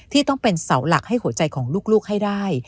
ต้องเป็นเสาหลักให้หัวใจของลูกให้ได้